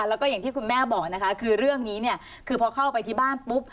แล้วก็อย่างที่คุณแม่บอกนะคะคือเรื่องนี้เนี่ยคือพอเข้าไปที่บ้านปุ๊บ